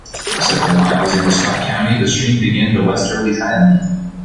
Several miles into Scott County, the stream begins a westerly trend.